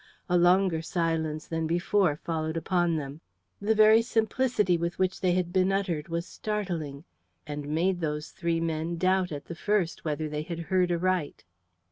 A longer silence than before followed upon them. The very simplicity with which they had been uttered was startling, and made those three men doubt at the first whether they had heard aright.